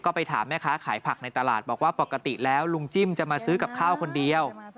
ก็ไปถามแม่ค้าขายผักในตลาดบอกว่าปกติแล้วลุงจิ้มจะมาซื้อกับข้าวคนเดียว